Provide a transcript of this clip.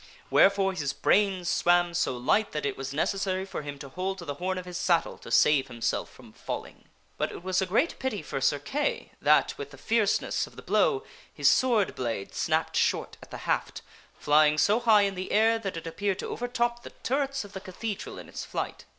Wherefore his brains swam so light that it was necessary for him to hold to the horn of his saddle to save himself from falling. But it was a great pity for Sir Kay that, with the fierceness of the blow, his sword blade snapped short at the haft, flying so high in the air that it appeared to overtop the turrets of the cathedral in its flight.